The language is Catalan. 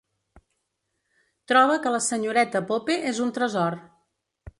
Troba que la senyoreta Pope és un tresor.